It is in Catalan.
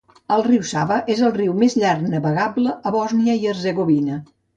El riu Sava és el riu més llarg navegable a Bòsnia i Hercegovina.